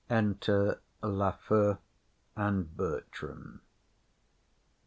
Enter Lafew and Bertram.